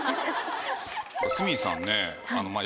鷲見さんね。